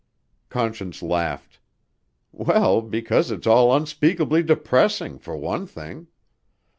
Conscience laughed. "Well, because it's all unspeakably depressing, for one thing.